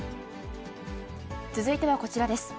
続いてはこちらです。